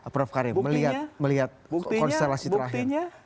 prof karim melihat konstelasi terakhir